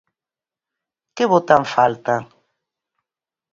Que bota en falta?